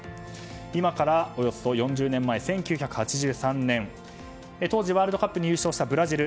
今からおよそ４０年前１９８３年、当時ワールドカップ優勝したブラジル。